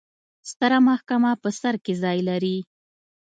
ستره محکمه په سر کې ځای لري.